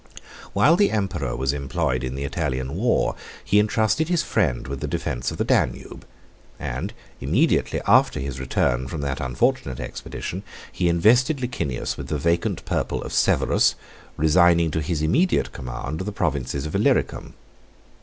While the emperor was employed in the Italian war, he intrusted his friend with the defence of the Danube; and immediately after his return from that unfortunate expedition, he invested Licinius with the vacant purple of Severus, resigning to his immediate command the provinces of Illyricum.